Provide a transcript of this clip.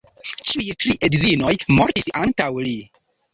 Ĉiuj tri edzinoj mortis antaŭ li.